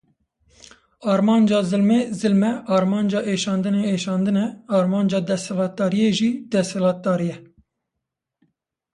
Armanca zilmê zilm e, armanca êşandinê êşandin e, armanca desthilatdariyê jî desthilatdarî ye.